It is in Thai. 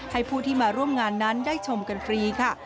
ผู้ที่มาร่วมงานนั้นได้ชมกันฟรีค่ะ